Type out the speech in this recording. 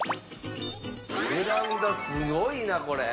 ベランダすごいなこれ。